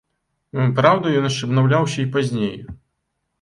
Праўда, ён яшчэ абнаўляўся і пазней.